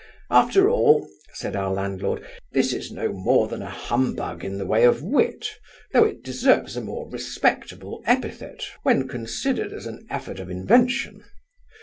'After all (said our landlord) this is no more than a humbug in the way of wit, though it deserves a more respectable epithet, when considered as an effort of invention.